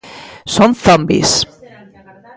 Son zombis.